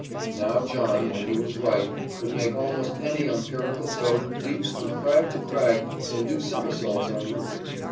Now John, when he was right, could make almost any umpirical goat leap from crag to crag and do somersaults en route.